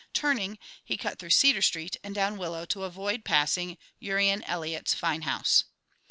Turning, he cut through Cedar Street and down Willow to avoid passing Urian Eliot's fine house.